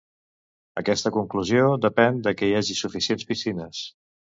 Aquesta conclusió depèn de que hi hagi suficients piscines.